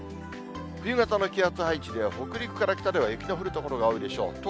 冬型の気圧配置で、北陸から北では雪の降る所が多いでしょう。